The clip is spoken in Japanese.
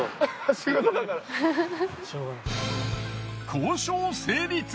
交渉成立！